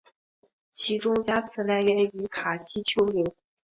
其种加词来源于卡西丘陵。